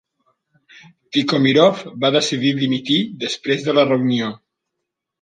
Tikhomirov va decidir dimitir després de la reunió.